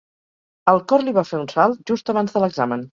El cor li va fer un salt just abans de l'examen